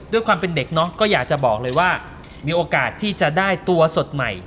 ด้วยความเป็นเด็กเนาะก็อยากจะบอกเลยว่ามีโอกาสที่จะได้ตัวสดใหม่